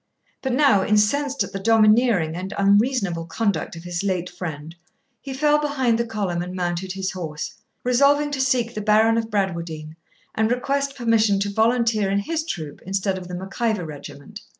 But now, incensed at the domineering and unreasonable conduct of his late friend, he fell behind the column and mounted his horse, resolving to seek the Baron of Bradwardine, and request permission to volunteer in his troop instead of the Mac Ivor regiment.